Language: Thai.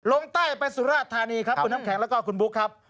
ลงใต้ไปสุราชธานีครับคุณน้ำแข็งแล้วก็คุณบุ๊คครับ